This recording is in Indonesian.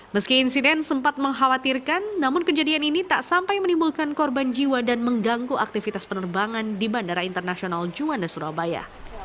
meski insiden sempat mengkhawatirkan namun kejadian ini tak sampai menimbulkan korban jiwa dan mengganggu aktivitas penerbangan di bandara internasional juanda surabaya